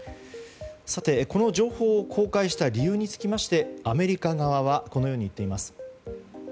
この情報を公開した理由につきましてアメリカ側はこのように言っています。